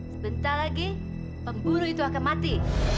sebentar lagi pemburu itu akan mati